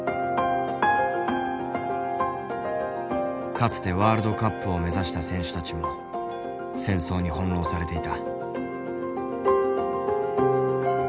かつてワールドカップを目指した選手たちも戦争に翻弄されていた。